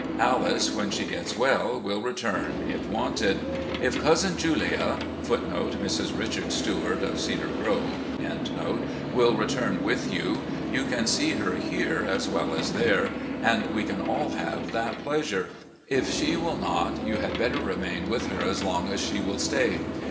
Alice, when she gets well, will return if wanted. If Cousin Julia* will return with you, ♦Mrs. Richard Stuart, of "Cedar Grove." THE NEW HOME IN LEXINGTON 369 you can see her here as well as there, and we can all have that pleasure. If she will not, you had better remain with her as long as she will stay.